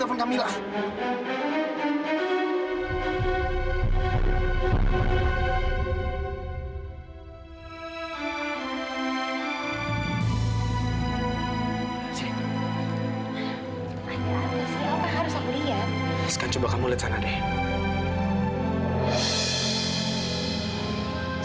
sekarang udah mau aplicasi